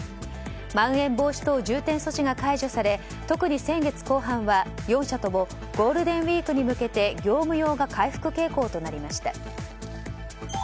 まん延防止等重点措置が解除され特に先月後半は４社ともゴールデンウィークに向けて業務用が回復傾向となりました。